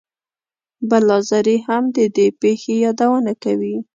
بلاذري هم د دې پېښې یادونه کوي.